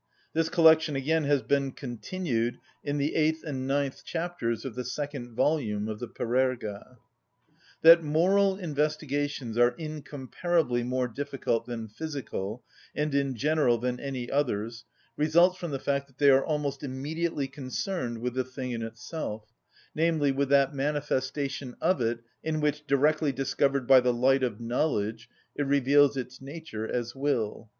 This collection again has been continued in the eighth and ninth chapters of the second volume of the Parerga. That moral investigations are incomparably more difficult than physical, and in general than any others, results from the fact that they are almost immediately concerned with the thing in itself, namely, with that manifestation of it in which, directly discovered by the light of knowledge, it reveals its nature as will.